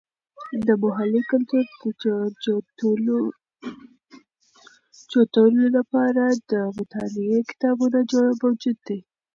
د محلي کلتور د جوتولو لپاره د مطالعې کتابونه موجود دي.